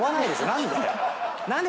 何で？